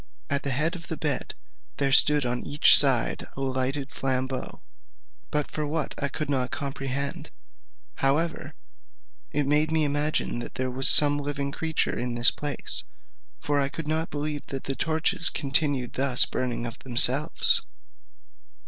At the head of the bed there stood on each side a lighted flambeau, but for what use I could not comprehend; however, it made me imagine that there was some living creature in this place; for I could not believe that the torches continued thus burning of themselves.